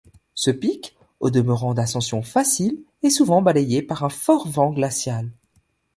Ce pic, au demeurant d'ascension facile, est souvent balayé par un fort vent glacial.